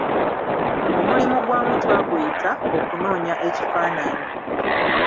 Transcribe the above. Omulimu gwamu twaguyita: Okunoonya ekifaananyi.